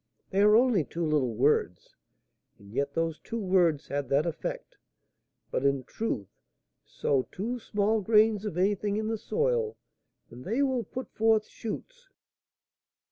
They are only two little words, and yet those two words had that effect. But, in truth, sow two small grains of anything in the soil, and they will put forth shoots."